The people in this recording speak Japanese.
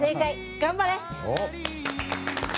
頑張れ！